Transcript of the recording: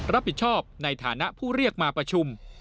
รับผิดชอบในฐานะผู้เรียกมาประชุม